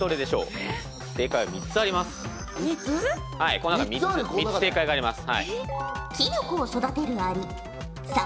この中で３つ正解があります。